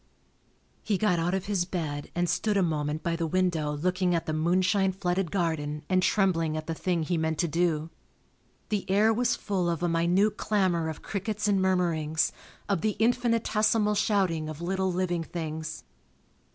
He got out of his bed and stood a moment by the window looking at the moonshine flooded garden and trembling at the thing he meant to do. The air was full of a minute clamor of crickets and murmurings, of the infinitesimal shouting of little living things.